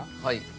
はい。